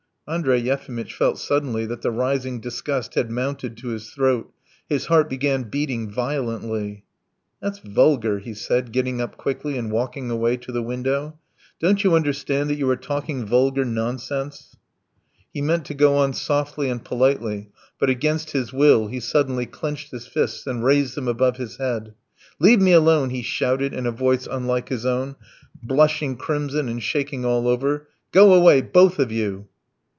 ..." Andrey Yefimitch felt suddenly that the rising disgust had mounted to his throat, his heart began beating violently. "That's vulgar," he said, getting up quickly and walking away to the window. "Don't you understand that you are talking vulgar nonsense?" He meant to go on softly and politely, but against his will he suddenly clenched his fists and raised them above his head. "Leave me alone," he shouted in a voice unlike his own, blushing crimson and shaking all over. "Go away, both of you!"